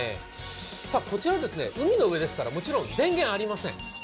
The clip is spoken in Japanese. こちら海の上ですからもちろん電源ありません。